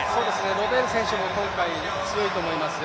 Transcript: ロベール選手も今回強いと思いますよ。